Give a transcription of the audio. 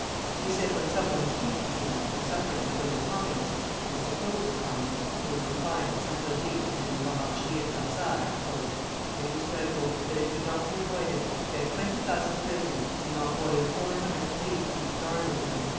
He said, when some one was speaking to him of the sufferings of those Communists (or supposed Communists) who were confined at Satory and in the Orangerie at Versailles: "It was dreadful, but it could not be avoided. We had twenty thousand prisoners, and not more than four hundred police to keep guard over them.